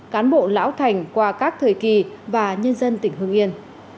cán bộ lão thành qua các thời kỳ và nhân dân tỉnh hương yên